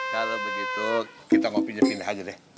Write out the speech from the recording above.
kalau begitu kita kopinya pindah aja deh